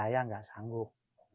saya tidak sanggup